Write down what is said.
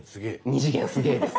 ２次元すげぇです